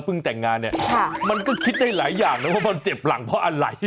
เพราะว่าพอเจ็บหลังเพราะอะไร